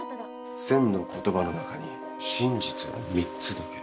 千の言葉の中に真実は三つだけ。